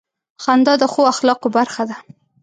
• خندا د ښو اخلاقو برخه ده.